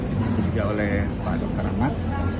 ini juga oleh pak dr ahmad